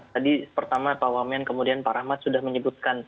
tadi pertama pak wamen kemudian pak rahmat sudah menyebutkan